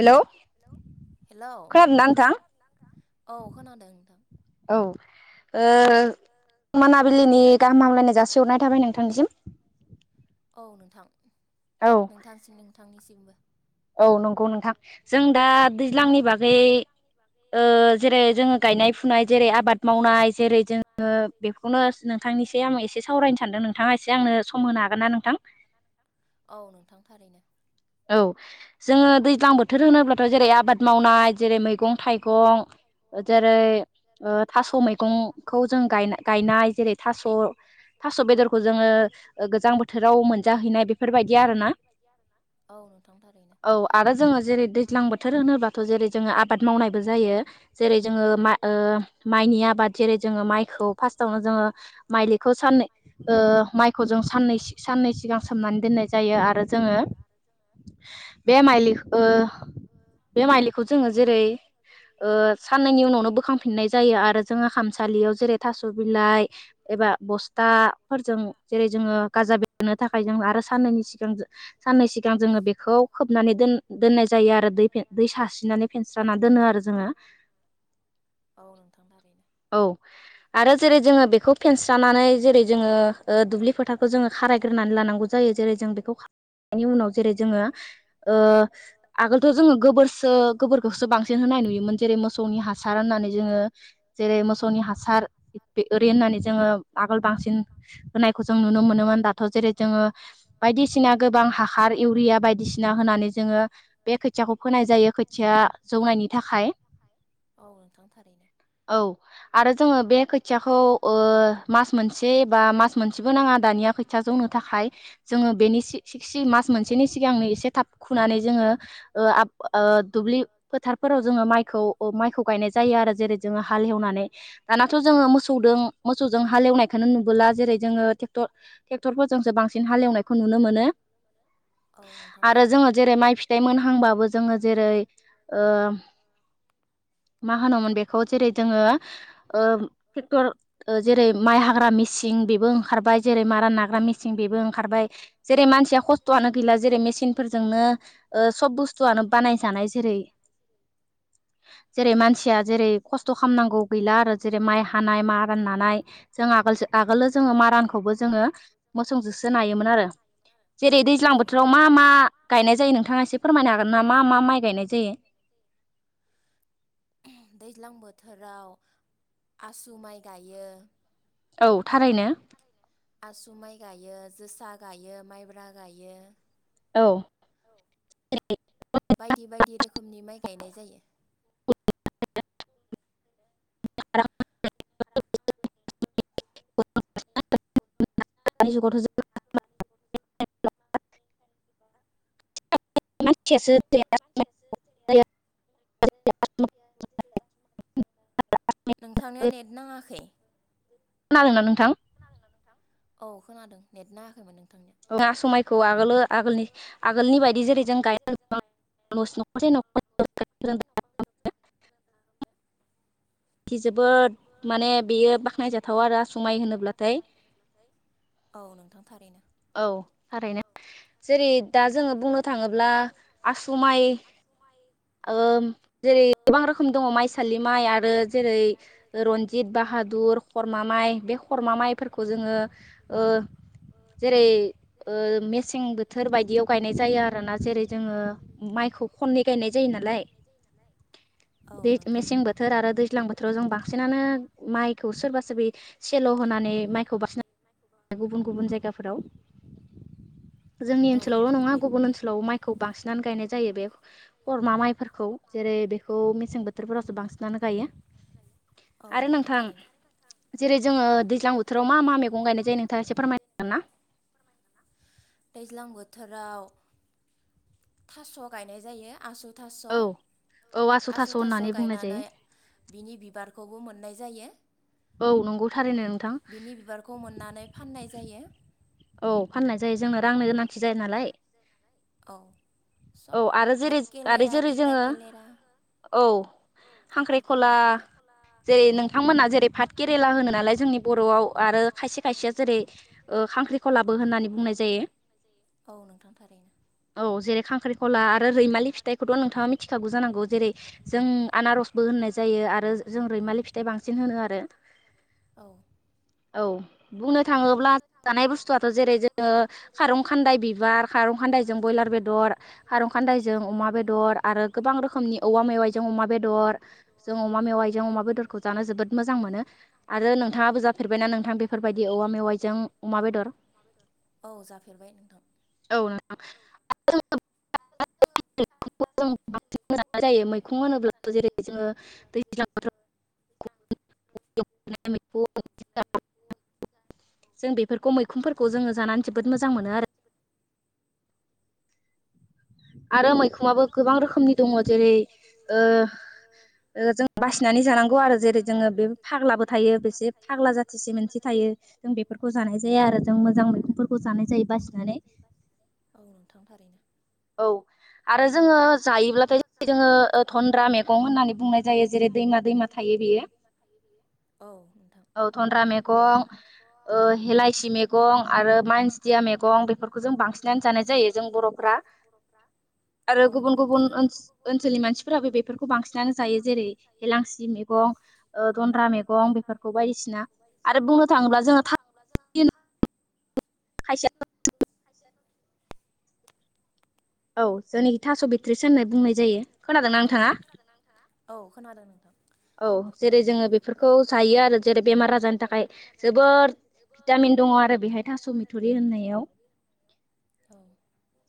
हेल' खोनादोंना नोंथां खोनादों नोंथां ओ मोनाबिलिनि गाहाम हामलायनाय जासिहरनाय थाबाय नोंथांनिसिम औ नोंथां नोंथांसिम नोंथांनिसिमबो औ नंगौ नोंथां जों दा दैज्लांनि बागै ओ जेरै जोङो गायनाय फुनाय जेरै आबाद मावनाय जेरै जोङो बेखौनो नोंथांनिसो आं एसे एसे सावरायनो सानदों नोंथाङा एसे आंनो सम होनो हागोन ना नोंथां औ नोंथां थारैनो औ जोङो दैज्लां बो बोथोर होनोब्लाथ' जेरै आबाद मावनाय जेरै मैगं थाइगं ओ जेरै ओ थास' मैगंखौ जों गा-गायनाय जेरै थास' थास' बेदरखौ जोङो ओ गोजां बोथोराव मोनजाहैनाय बेफोरबायदि आरोना औ नोंथां थारैनो जरै दैज्लां बोथोर होनोबाथ' जेरै जोंङो आबाद मावनायबो जायो जेरै जोङो मा ओ माइनि आबाद जेरै जोङो माइखौ फास्तावनो जोङो माइलिखौ सानै ओ माइखौ जों साननै सि-सिगां सोमनानै दोननाय जायो आरो जोङो बे माइलि ओ बे माइलिखौ जोङो जेरै ओ सानैनायनि उनावनो बोखांफिननाय जायो आरो जोंङहा खामसालियाव जेरै थास' बिलाइ एबा बस्थाफोरजों जेरै जोङो गाजा बेरनो थाखाय जों आरो साननैनि सिगां जों साननै सिगां जोङो बेखौ खोबनानै दोन दोननाय जायो आरो दै दै सस्रिनानै फेनस्रा दोनो आरो जोङो औ नोंथां थारैनो औ आरो जेरै जोङो बेखौ फेनस्रानानै जेरै जोङो ओ दुब्लि फोथारखौ जोङो खाराय नानै लानांगौ जायो जेरै जों बेखौ नि उनाव जेरै जोङो ओ आगोलथ' जोङो गोबोरसो गोबोरखौसो बांसिन होननाय नुयोमोन जेरै मोसौनि हासार होननानै जोङो जेरै मोसौनि हासार ओरै होननानै जोङो आगोल बांसिन होनायखौ जों नुनो मोनोमोन दाथ' जेरै जोङो बाय गोबां हखार इउरिया बायदिसिना होनानै जोङो बे खोथियाखौ फोनाय जायो खोथिया जौनायनि थाखाय [inaudible] औ आरो जोङो बे खोथियाखौ ओ मास मोनसे बा मास मोनसेबो नाङा दानिया खैथा जौनो थाखाय जोंङो बेनि सि सि सि मोनसेनि सिगांनो एसे थाब खुनानै जोंङो ओ आब ओ दुब्लि फोथारफोराव जोंङो माइखौ ओ माइखौ गायनाय जायो आरो जेरै जों हालवनानै दानाथ' जोङो मोसौदों मोसजों हालवनायखौनो नुबोला जेरै जोंङो टेकट टर ट्रेक्टरफोरजोंसो बांसिन हालेवनायखौ नुनो मोनो [inaudible] जेरै माइ फिथाइ मोनहांबाबो जोङो जेरै ओ मा होनोमोन बेखौ जेरै जोङो ओ ट्रेक्टर जेरै माइ हाग्रा मेसिन बेबो ओंखारबाय जेरै मारा नाग्रा मेसिं बेबो ओंखारबाय जेरै मानसि खस्थ'आनो गैला जेरै मेसिनफोरजोंनो ओ सब बुस्थुआनो बानायजानाय जेरै जेरै मानसिया जेरै खस्थ' खालामनांगौ गैला आरो जेरै माइ हानाय मारान नानाय जों आगोल आगोलोलो जोङो मारानखौबो जोङो मोसौजोसो नायोमोन आरो जेरै दैज्लां बोथोराव मा मा गायनाय जायो नोंथाङा एसे फोरमायनो हागोन ना मा मा माइ गायनाय जायो? दैज्लां बोथोराव आसु माइ गायो आसु माइ गायो जोसा गायो माइब्रा गायो औ बायदि बायदि रोखोमनि माइ गायनाय जायो [unintelligible] [unintelligible] दानि जुगाव थ' जो [unintelligible] [unintelligible] [inaudible] नोंथांनिया नेट नाङाखै औ खोनादों नेटना होाखैमोन ना समायखौ आगोल आगोलनि आगोलनि बायदि जेरै जों गाय [unintelligible] जोबोद माने बेयो बाख्नायजाथाव आरो आसु माय होनोब्लाथाय औ नोंथां औ थारैनो जेरै दा जोङो बुंनो थाङोब्ला आसु माइ ओम जेरै गोबां रोखोम दङ माइसालि माइ आरो जेरै रनजित बाहादुर खरमा माइ माइ बे खरमा माइफोरखौ जोङो जेरै मे ओ सें बोथोर बायदियाव गायनाय जायो आरोना जेरै जोङो मा माइखौ खननै गायनाय जायो नालाय दै मेसें बोथोर आरो दैज्लां बोथोराव जों बांसिनानो माइखौ सोरबा सोरब सेल' खनानै माइखौ बासिना गुबुन गुबुन जायगाफोराव जोंनि ओनसोलावल' नङा गुबुन ओनसोलाव माइखौ बांसिनानो गायनाय जायो बे सरमा माइफोरखौ जेरै बेखौ मेसें बोथोरफोरसो बांसिनानो गायो औ नोंथां थारैनो जेरै जोङो दैज्लां बोथोराव मा मा मैगं गायनाय जायो नोंथाङा एसे फोरमायनो हागोन ना? [inaudible] दैज्लां बोथोराव थास' गायनाय जायो आसु थास' आसु थास' गायनानै बिनि बिबारखौबो मोननाय जायो बिनि बिबारखौ मोननानै फाननाय जायो औ फाननाय जायो जोंनो रांनि गोनांथि जायो नालाय औ औ आरो जेरै आरो जेरै जोंङो औ औ बेफोरखौबो मोननायसै जेरै नोंथांमोना जेरै पाट केरेला होनो नालाय जोंनि बर'आव आरो खायसे खायसेया जेरै [unintelligible] औ नोंथां थारैनो औ जेरै ख्रिला आरो रैमालि फिथायखौथ नोंथा मिथि खागौ जांगौ जेरै जोंनि आनारसबो होननाय ज आरो जों रैमालि फिथाइ बांसिन होनो आरो औ औ बुंनो थांङोब्ला जानाय बुस्थुआथ जेरै जोंङो खारं खान्दाय बिबार खारं खान्दाय जों बयलार बेदर हारं खान्दायजों अमा बेदर आरो गोबां रोखोमनि औमा मेवाइजों अमा बेदर जों अमा मेवाय अमा बेदरखौ जानो जोबोद मोजां मोनो आरो नोंथाङाबो जाफेरबायना नोंथां बेफोरबायदि औवा मेवाइजों [unintelligible] औ जाफेरबाय नोंथां औ नों [unintelligible] [unintelligible] [unintelligible] जों बेफोरखौ मैखुनफोरखौ जोंङो जानानै जोबोद मोजां मोनो आरो आरो मैखुंङाबो गोबां रोखोमनि दङ जेरै जों बासिनानै जानांगौ आरो जेरै जोंङो बे फाग्लाबो थायो बेसे फाग्ला जाथिसे मोनसे थायो जों बेफोरखौ जानाय जाया आरो जों मोजां मैगंफोरखौ जानाय जायो बासिनानै औ नोंथां थारैनो औ आरो जोंङो जायोब्लाथाय जोंङो ओ थन्द्रा मैगं होननानै बुंनाय जायो जेरै दैमा दैमा थायो बेयो औ नोंथां औ थनद्रा मैगं ओ हेलाइसि मैगं आरो मानसिथिया मैगं बेफोरखौ जों बांसिनानो जानाय जायो जों बर' फ्रा आरो गुबुन गुबुन ओन ओनसोलनि मानसिफोराबो बेफोरखौ बांसिनानो जायो जेरै हेलांसि मेगं गं ओ दन्द्रा मैगं बेफोरखौ बायदिसिना आरो बुंनो थाङोब्ला जोंङो [unintelligible] [inaudible] औ जोंनिखि थास बिट्रिस होननाय बुंनाय जायो खोनादों नोंथाङा औ जेरै जोंङो बेफोरखौ जायो आरो जेरै बेमार आजारनि थाखाय जोबोद भिटामिन दंङ आरो बेहाय थास' मिथुरि होननायाव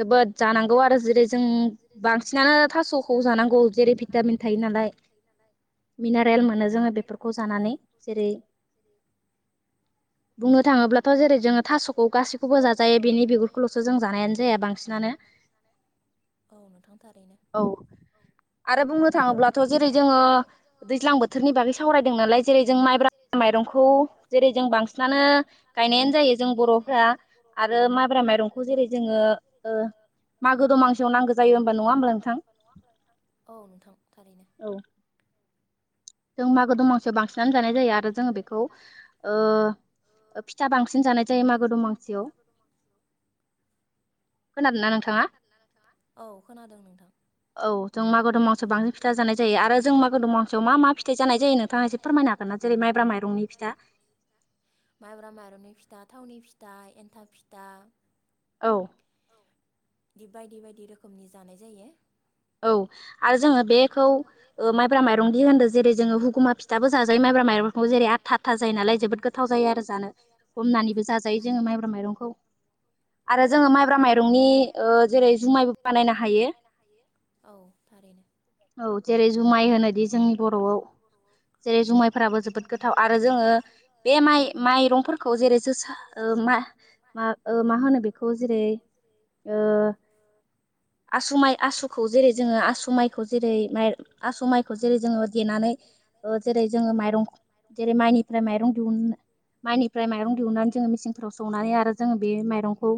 जोबोद जानांगौ आरो जेरै जों बांसिनानो थासखौ जानांगौ जेरै भिटामिन थायो नालाय मिनारेल मोनो जोंङो बेफोरखौ जानानै जेरै बुंनो थांङोब्ला थ जेरै जोंङो थासखौ गासैखौबो जाजायो बेनि बिगुरखौलसो जों जानायानो जाया बांसिनानो औ नोंथां थारैनो औ आरो बुंनो थाङोब्लाथ जेरै जोंङो दैज्लां बोथोरनि बागै सावरायदों नालाय जेरै जों माइब्रा माइरंखौ जेरै जों बांसिनानो गायनायानो जायो जों बरफ्रा आरो माइब्रा माइरंखौ जेरै जोंङो ओ मागो दमासियाव नांगौ जायो होमबा नंङा होमब्ला नोंथां औ जों मागो दमासियाव बांसिनानो जानाय जायो आरो जोंङो बेखौ ओ ओ फिथा बांसिन जानाय जायो मागो दमासियाव खोनादों ना नोंथां खोनादों नोंथाङा औ खोनादों नोंथां दमासियाव बांसिन फिथा जानाय जायो आरो जों मा दमासियाव मा मा फिथाइ जानाय जायो नोंथाङा एसे फोरमायनो हागोन ना जेरै माइब्रा माइरंनि फिथा? माइब्रा माइरंनि फिथा थावनि फिथा एन्थाब फिथा औ बायदि बायदि रोखोमनि जानाय जायो औ आरो जोंङो बेखौ ओ माइब्रा माइरं दि होनदों जेरै जोंङो हुगुमा फिथाबो जाजायो माइब्राख माइरंखौ जेरै आथा आथा जायो नालाय जोबोद गोथाव जायो आरो जानो हमनानैबो जाजायो जोंङो माइब्रा माइरंखौ आरो जोंङो माइब्रा माइरंनि ओ जेरै जुमायबो बानायनो हायो। औ जेरै जुमाय होनोदि जोंनि बर'आव जेरै जुमायफोराबो जोबोद गोथाव आरो जोंङो बे माइ माइरंफोरखौ जेरै जोसा ओ ओ मा मा ओ मा होनो बेखौ जेरै ओ आसुमाइ आसु खौ जेरै जोंङो आसु माइखौ जेरै माइ आस माइखौ जेरै जोंङो देनानैज ओ जेरै जोंङो माइरं जेरै माइनिफ्राय माइरं दिहुननो माइनिफ्राय माइरं दिहुननानै जोंङो मेसिनफोराव सौनानै आरो जोंङो बे माइरंखौ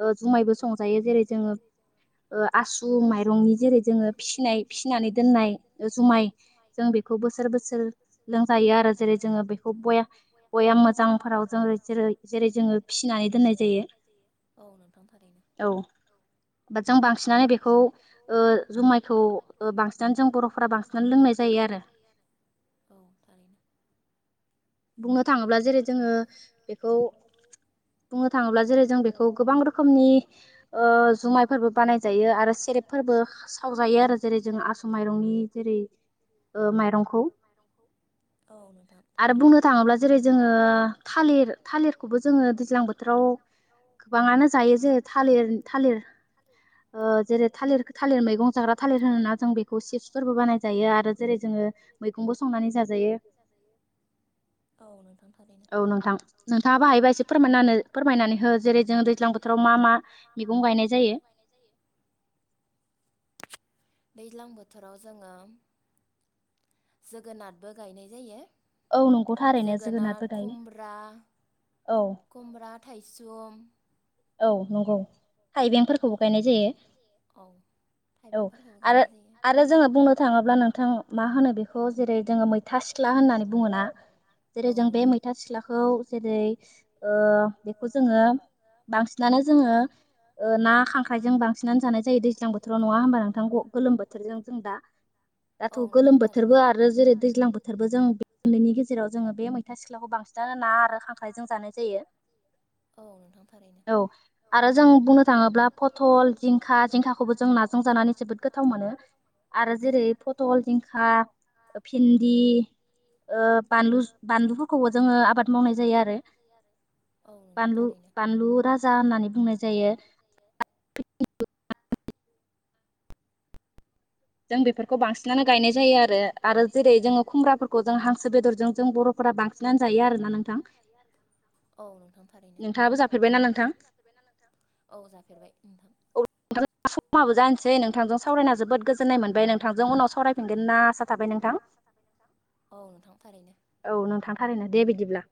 ओ जुमायबो संजायो जे रै जोंङो ओ आसु माइरंनि जेरै जोङो फिसिनाय फिसिनानै दोननाय जुमाय जों बेखौ बोसोर बोसोर लोंजा यो आरो जेरै जोंङो बेखौ बया बयाम मोजांफोराव जोंङो जेरै जेरै जोंङो फिसिनानै दोननाय ओ नोंथां थारैनो औ बा जों बांसिनानो बेखौ ओ ओ जुमायखौ बांसिनानो जों बर'फोरा बांसिनानो लोंनाय जायो आरो [inaudible] बुंनो थाङोब्ला जेरै जोंङो बेखौ बुंनो थाङोब्ला जेरै जों बेखौ गोबां रोखोमनि‌ ओ जुमायफोरबो बानाय जायो आरो सेरेप फोरबो सावजायो आरो जेरै जों आसु माइरंनि जेरै माइरंखौ आरो बुंनो थाङो जेरै जोंङो थालिर थालिरखौबो जोंङो दैज्लां बोथोराव गोबाङानो जायो जे थालिर थालिर ओ जेरै थालिर थालिर मैगं जाग्रा थालिर होना जों बेखौ सिप्सफोरबो बानायजायो आरो जेरै जोंङो मैगंबो संनानै जाजायो। औ नोंथां औ नोंथां नोंथाङा बाहायबा एसे फोरमायनानै हो जेरै जों दैज्लां बोथोराव मा मा मैगं गायनाय जायो दैज्लां बोथोराव जोंङो जोगोनारबो गायनाय जायो। औ नंखौ थारैनो जोगोनारबो गाययो खुमब्रा थाइसुम औ नंगौ थाइबेंफोरखौबो गायनाय जायो। औ औ आरो आरो जोंङो बुंनो थाङोब्ला नोंथां मा होनो बेखौ जेरै जोंङो मैथा सिख सिख्ला होननानै बुङोना जेरै जों बे मैथा सिख्लाखौ जेरै ओ बेखौ जों जोंङो बांसिनानो जोंङो ओ ना खांख्रायजों बांसिन जानाय जायो दैज्लां बोथोराव नंङा होमबा नोंथां गोलोम बोथोरजों जों दा दाथ' गोलोम बोथोरबो आरो जेरै दैज्लां बोथोरबो जों उन्दैनि गेजेराव जोङो बे मैथा सिख्लाखौ बांसिन खथनो ना आरो खांख्राइजों जानाय जायो। औ नोंथां औ आरो जों बुंनो थाङोब्ला फथल जिंखा जिंखाखौबो जों नाजों जानानै जोबोद गोथाव मोनो आरो जेरै पथल जिंखा भिन्दि ओ बानलु बानलुफोरखौबो जोंङो आबाद मावनाय जायो आरो औ नोंथां थारैनो बानलु राजा होननानै बुंनाय जायो [unintelligible] जों बेफोरखौ बांसिन बसिनानै गायनाय जायो आरो जेरै जोङो खुमब्राफोरखौ जों हांसो बेदरजों जों बर'फोरा बांसिननानै जायो आरोोना नोंथां नोंथाङाबो जाफेरबायनाा नोंथां औ जाफेरबाय नोंथां नथसै नोंथ नाय मोननायबाय नोंथांजोंनि उनाव सावरायफिनगोना आसा थाबाय नोंथां औ नोंथांथारैनो दे बिदिब्ला